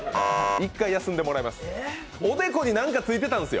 １回休んでもらいます。